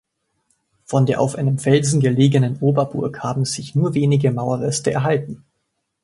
Von der auf einem Felsen gelegenen Oberburg haben sich nur wenige Mauerreste erhalten.